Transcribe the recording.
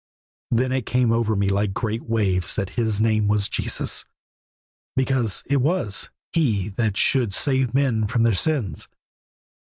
Then it came over me like great waves that His name was Jesus, because it was He that should save men from their sins.